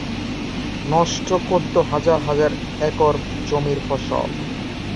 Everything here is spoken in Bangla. নষ্ট করতো হাজার হাজার একর জমির ফসল।